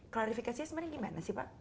klarifikasinya sebenarnya gimana sih pak